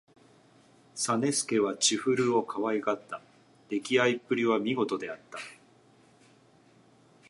実資は千古をかわいがった。できあいっぷりは見事であった。